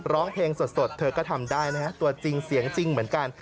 ร้องเพลงสดเธอก็ทำได้นะฮะตัวจริงเสียงจริงเหมือนกัน